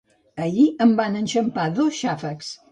Ahir em van enxampar dos xàfecs